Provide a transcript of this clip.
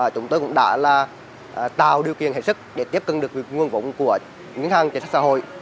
chúng tôi cũng đã là tạo điều kiện hệ sức để tiếp cận được nguồn vốn của những hàng chính sách xã hội